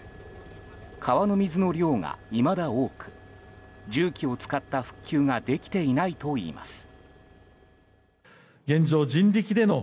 川の水の量がいまだ多く重機を使った復旧ができていないといいます。